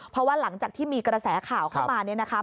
เพราะว่าหลังจากที่มีกระแสข่าวเข้ามาเนี่ยนะคะ